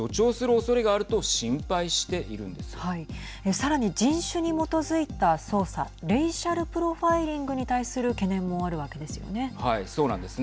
さらに人種に基づいた捜査＝レイシャルプロファイリングに対する懸念もあるわけですよね。